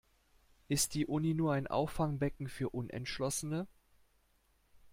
Ist die Uni nur ein Auffangbecken für Unentschlossene?